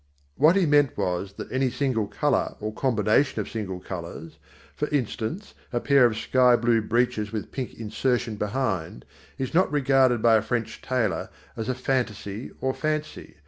What he meant was that any single colour or combination of single colours for instance, a pair of sky blue breeches with pink insertion behind is not regarded by a French tailor as a fantaisie or fancy.